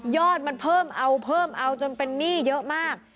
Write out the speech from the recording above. ยอดมันเพิ่มเอาจนเป็นหนี้เยอะมาก